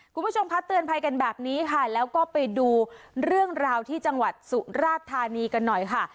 คุณผู้ชมคะเตือนภัยกันแบบนี้ค่ะแล้วก็ไปดูเรื่องราวที่จังหวัดสุราธานีกันหน่อยค่ะ